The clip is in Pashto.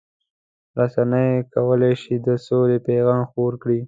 رسنۍ کولای شي د سولې پیغام خپور کړي.